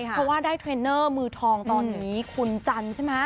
เพราะว่าได้เทรนเนอร์มือทองตอนนี้คุณจันทร์ใช่ไหม